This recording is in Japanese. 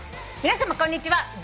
「皆さまこんにちは。